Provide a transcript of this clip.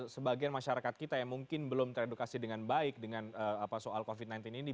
sebagian masyarakat kita yang mungkin belum teredukasi dengan baik dengan soal covid sembilan belas ini